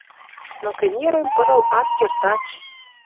Но кӹнерӹм пырыл ат керд ач.